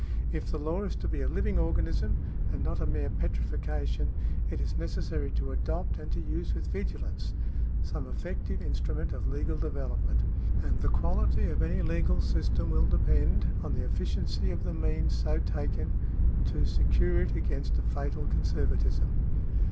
If the law is to be a living organism, and not a mere petrification, it is necessary to adopt and to use with vigilance some effective § 10] CIVIL LAW 25 instrument of legal development, and the quality of any legal system will depend on the efficiency of the means so taken to secure it against a fatal conservatism.